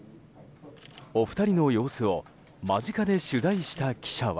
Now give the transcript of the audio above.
お二人の様子を間近で取材した記者は。